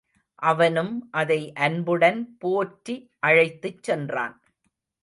அவனும் அதை அன்புடன் போற்றி அழைத்துச் சென்றான்.